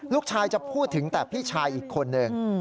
ลูกชายจะพูดถึงแต่พี่ชายอีกคนหนึ่ง